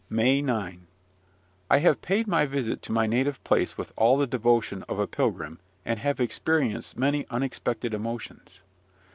MAY 9. I have paid my visit to my native place with all the devotion of a pilgrim, and have experienced many unexpected emotions.